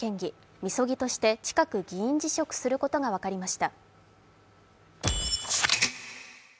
みそぎとして近く議員辞職することが分かりました。